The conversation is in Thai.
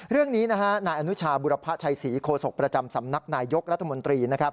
เรื่องนี้นะฮะนายอนุชาบุรพชัยศรีโคศกประจำสำนักนายยกรัฐมนตรีนะครับ